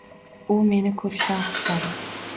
U meni ko`rishdan xursand